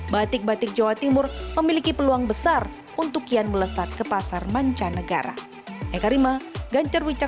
batik batik jawa timur memiliki peluang besar untuk kian melesat ke pasar mancanegara